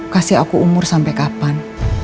kasih aku umur sampai kapan